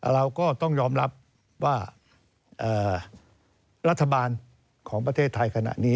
เราก็ต้องยอมรับว่ารัฐบาลของประเทศไทยขณะนี้